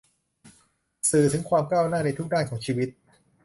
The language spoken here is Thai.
สื่อถึงความก้าวหน้าในทุกด้านของชีวิต